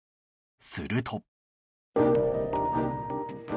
すると。